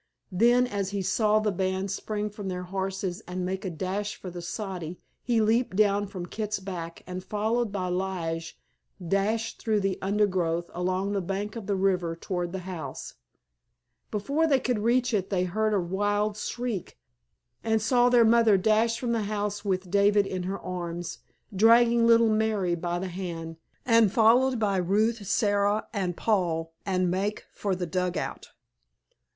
Then as he saw the band spring from their horses and make a dash for the soddy he leaped down from Kit's back, and followed by Lige dashed through the undergrowth along the bank of the river toward the house. Before they could reach it they heard a wild shriek, and saw their mother dash from the house with David in her arms, dragging little Mary by the hand, and followed by Ruth, Sara, and Paul, and make for the dugout.